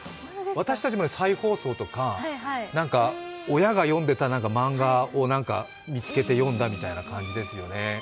私たちも再放送とか、親が読んでいる漫画を見つけて読んだみたいな感じですよね。